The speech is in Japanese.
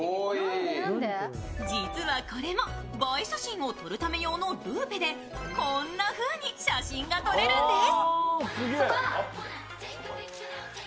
実はこれも映え写真を撮る用のルーペで、こんなふうに写真が撮れるんです。